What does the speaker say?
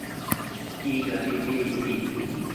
اي گآڏي ڪيري هيتي